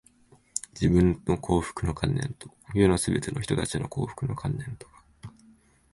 自分の幸福の観念と、世のすべての人たちの幸福の観念とが、